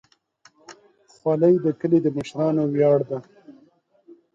خولۍ د کلي د مشرانو ویاړ ده.